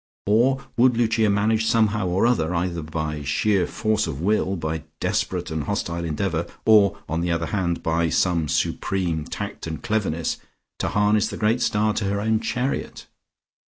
Or would Lucia manage somehow or other, either by sheer force of will, by desperate and hostile endeavour, or, on the other hand, by some supreme tact and cleverness to harness the great star to her own chariot?